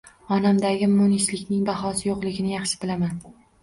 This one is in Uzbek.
Onamdagi munislikning bahosi yo`qligini yaxshi bilaman